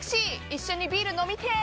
一緒にビール飲みてえ！